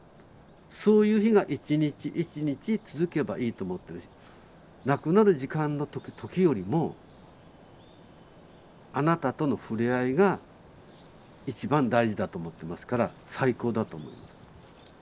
そういう日が一日一日続けばいいと思ってるし亡くなる時間の時よりもあなたとのふれあいが一番大事だと思ってますから最高だと思います。